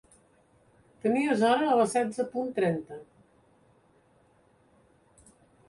Tenies hora a les setze punt trenta.